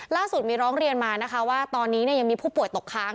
ล่าสุดมีร้องเรียนมานะคะว่าตอนนี้ยังมีผู้ป่วยตกค้าง